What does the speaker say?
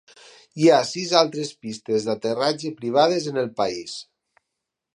Hi ha sis altres pistes d'aterratge privades en el país.